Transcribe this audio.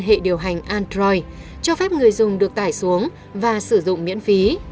hệ điều hành android cho phép người dùng được tải xuống và sử dụng miễn phí